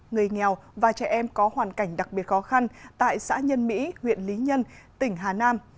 người nghèo và trẻ em có hoàn cảnh đặc biệt khó khăn tại xã nhân mỹ huyện lý nhân tỉnh hà nam